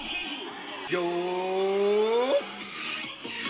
よー！